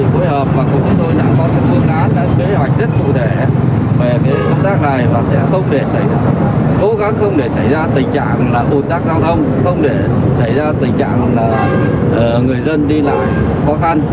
không để xảy ra tình trạng tù tác giao thông không để xảy ra tình trạng người dân đi lại khó khăn